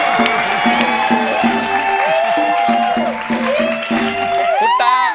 คุณตา